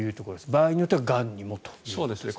場合によってはがんにもということですね。